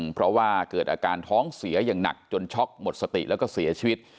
เพราะว่าเกิดอาการท้องเสียอย่างหนักจนช็อกหมดสติแล้วก็เสียชีวิต